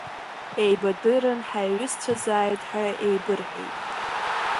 Еибадырын, ҳаиҩызцәазааит ҳәа еибырҳәеит.